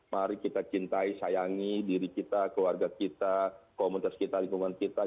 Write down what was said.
mari kita cintai sayangi diri kita keluarga kita komunitas kita lingkungan kita